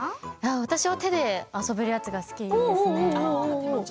私は手で遊べるやつが好きですね。